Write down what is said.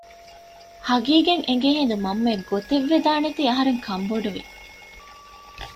ހަޤީޤަތް އެނގޭ ހިނދު މަންމައަށް ގޮތެއްވެދާނެތީ އަހަރެން ކަންބޮޑުވި